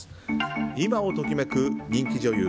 今を時めく人気女優